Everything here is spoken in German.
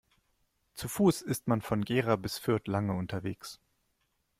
Zu Fuß ist man von Gera bis Fürth lange unterwegs